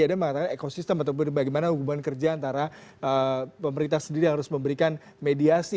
ada mengatakan ekosistem atau bagaimana hubungan kerja antara pemerintah sendiri harus memberikan mediasi